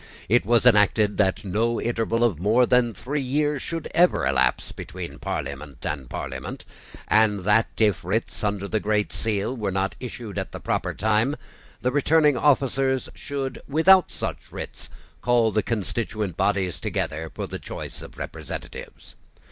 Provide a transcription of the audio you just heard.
It was enacted that no interval of more than three years should ever elapse between Parliament and Parliament, and that, if writs under the Great Seal were not issued at the proper time, the returning officers should, without such writs, call the constituent bodies together for the choice of representatives.